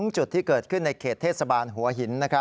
จุดที่เกิดขึ้นในเขตเทศบาลหัวหิน